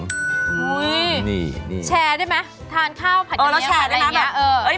อุ้ยแชร์ได้ไหมทานข้าวผัดกะเนียมอะไรอันนี้